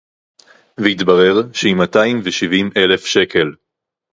והתברר שהיא מאתיים ושבעים אלף שקל